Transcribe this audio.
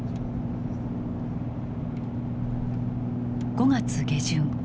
５月下旬。